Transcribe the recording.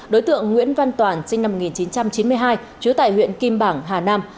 đối tượng nguyễn văn toàn sinh năm một nghìn chín trăm chín mươi hai chứa tại huyện kim bảng hà nam